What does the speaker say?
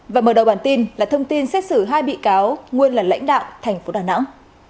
và mở đầu bản tin là thông tin xét xử hai bị cáo nguyên là lãnh đạo thành phố đà nẵng